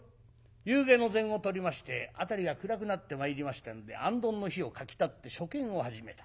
夕げの膳をとりまして辺りが暗くなってまいりましたのであんどんの灯をかきたてて書見を始めた。